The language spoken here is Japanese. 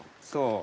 そう。